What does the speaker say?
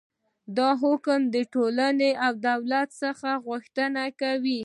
دا حکم له ټولنې او دولت څخه غوښتنه کوي.